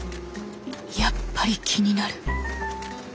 やっぱり気になる。